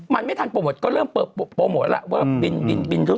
มันไม่ทันโปรโมทก็เริ่มโปรโมทแล้วว่าบินบินทึ